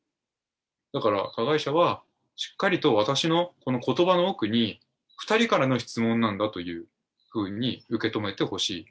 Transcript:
だから加害者はしっかりと私のこのことばの奥に、２人からの質問なんだというふうに受け止めてほしい。